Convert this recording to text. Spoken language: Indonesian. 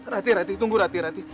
rati rati tunggu rati rati